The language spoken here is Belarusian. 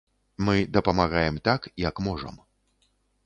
Мы дапамагаем так, як можам.